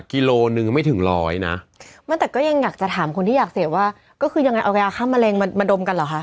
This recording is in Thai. กิโลนึงไม่ถึงร้อยนะไม่แต่ก็ยังอยากจะถามคนที่อยากเสพว่าก็คือยังไงเอายาฆ่ามะเร็งมามาดมกันเหรอคะ